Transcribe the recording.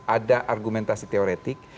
ada argumentasi teoretik